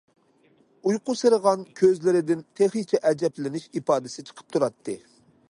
ئۇيقۇسىرىغان كۆزلىرىدىن تېخىچە ئەجەبلىنىش ئىپادىسى چىقىپ تۇراتتى.